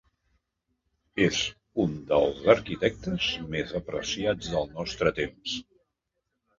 És un dels arquitectes més apreciats del nostre temps.